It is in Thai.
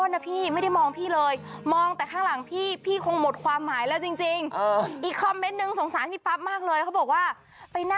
นี่เป็นทั้งใจจริงปะนี่หมดความหมายกับตัวแกน